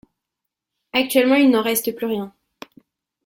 Actuellement il n'en reste plus rien.